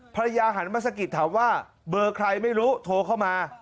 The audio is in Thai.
ภรรยาหันมาสะกิดถามว่าเบอร์ใครไม่รู้โทรเข้ามา